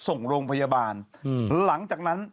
ส่งโรงพยาบาลหลังจากนั้น